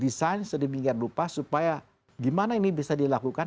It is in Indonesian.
tetapi kita sedang desain sedemikian lupa supaya gimana ini bisa dilakukan